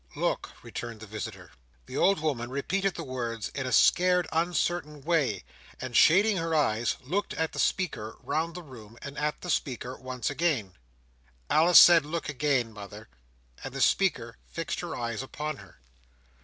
"Look," returned the visitor. The old woman repeated the word in a scared uncertain way; and, shading her eyes, looked at the speaker, round the room, and at the speaker once again. "Alice said look again, mother;" and the speaker fixed her eyes upon her.